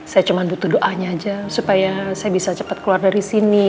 saya cuma butuh doanya aja supaya saya bisa cepat keluar dari sini